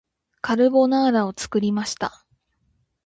カルボナーラを作りました